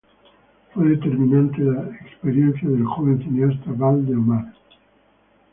Fue determinante la experiencia del joven cineasta Val del Omar.